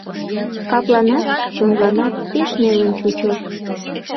Капланат, чонланат пеш нелын чучо.